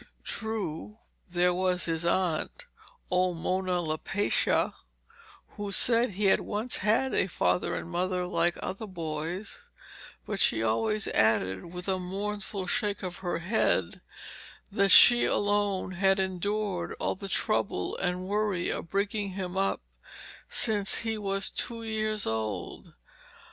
True, there was his aunt, old Mona Lapaccia, who said he had once had a father and mother like other boys, but she always added with a mournful shake of her head that she alone had endured all the trouble and worry of bringing him up since he was two years old.